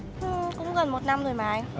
cũng gần một năm rồi mà anh